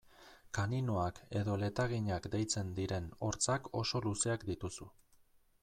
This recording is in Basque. Kaninoak edo letaginak deitzen diren hortzak oso luzeak dituzu.